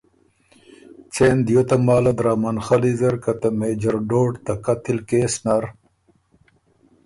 څېن دیو تماله درامن خلّی زر که ته مېجر ډوډ ته قتل کېس نر